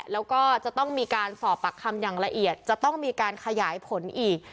แล้วก็จะต้องมีการสอบปากคำอย่างละเอียดจะต้องมีการขยายผลอีก